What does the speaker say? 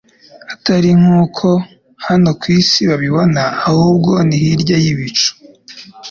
atari nk'uko hano ku isi babibona, ahubwo ni hirya y'ibicu.